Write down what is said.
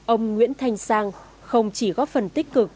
ông nguyễn thanh sang không chỉ góp phần tích cực